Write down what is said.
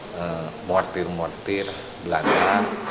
yang mortir mortir belanda